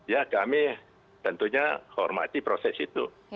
ya kami tentunya hormati proses itu